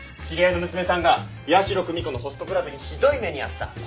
知り合いの娘さんが矢代久美子のホストクラブにひどい目に遭った。